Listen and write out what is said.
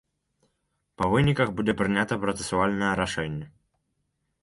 Па выніках будзе прынята працэсуальнае рашэнне.